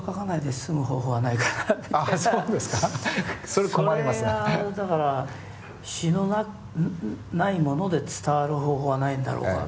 それがだから詞のないもので伝わる方法はないんだろうか。